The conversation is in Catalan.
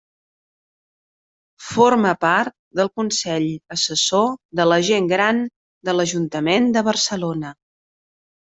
Forma part del Consell Assessor de la Gent Gran de l'Ajuntament de Barcelona.